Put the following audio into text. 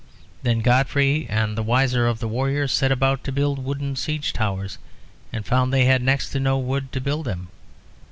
Then Godfrey and the wiser of the warriors set about to build wooden siege towers and found they had next to no wood to build them.